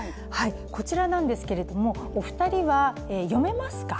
こちらなんですが、お二人は読めますか？